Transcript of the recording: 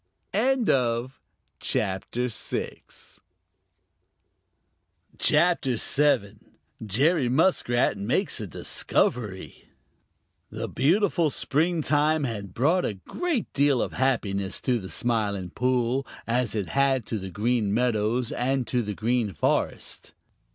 CHAPTER VII: Jerry Muskrat Makes A Discovery The beautiful springtime had brought a great deal of happiness to the Smiling Pool, as it had to the Green Meadows and to the Green Forest.